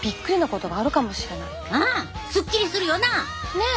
ねえ。